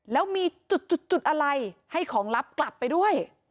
แล้วมีจุดอะไรให้ของลับกลับไปด้วย